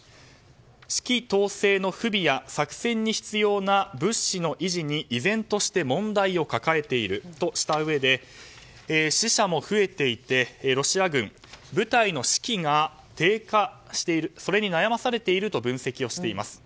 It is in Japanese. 指揮統制の不備や作戦に必要な物資の維持に依然として問題を抱えているとしたうえで死者も増えていてロシア軍、部隊の士気が低下しているそれに悩まされていると分析をしています。